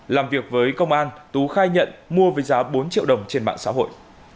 làm việc với công an tú khai nhận mua với giá bốn triệu đồng trên mạng xã hội